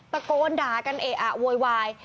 ตะโกนด่ากันเออะโวยวาย